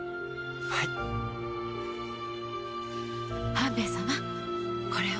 半兵衛様これを。